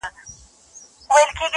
بحثونه بيا تازه کيږي ناڅاپه ډېر